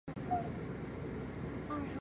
可是他们的恋爱关系却没有维持很久。